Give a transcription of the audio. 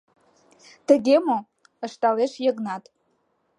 — Тыге мо? — ышталеш Йыгнат.